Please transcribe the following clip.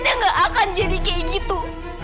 dia tidak akan jadi seperti itu